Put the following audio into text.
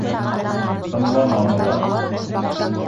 Тыңламанылар.